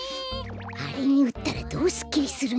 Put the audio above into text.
あれにうったらどうすっきりするんだろう？